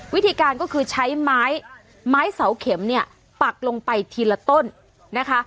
วิธีการก็คือใช้ไม้เสาเข็มเนี่ยปักลงไปทีละต้นนะคะ